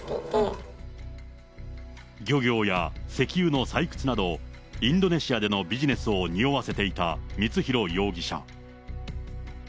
漁業や石油の採掘など、インドネシアでのビジネスをにおわせていた光弘容疑者。